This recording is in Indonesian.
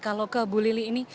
terima kasih bu lili